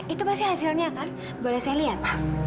itu pasti hasilnya kan boleh saya lihat